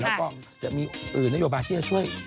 แล้วก็จะมีนโยบายที่จะช่วย